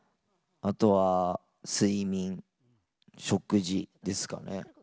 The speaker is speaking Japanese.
あとは、睡眠、食事ですかね。